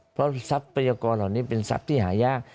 เพราะทรัพยากรเหล่านี้เป็นทรัพย์ที่หายาก